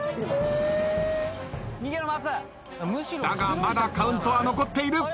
だがまだカウントは残っている。